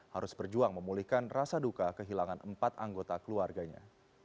harus berjuang memulihkan rasa duka kehilangan empat anggota keluarganya